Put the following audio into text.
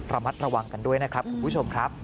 ระมัดระวังกันด้วยนะครับคุณผู้ชมครับ